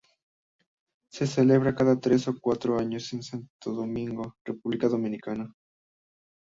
Se celebra cada tres o cuatro años en Santo Domingo, República Dominicana.